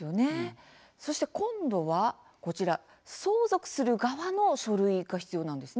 そして今度は相続する側も書類が必要なんですね。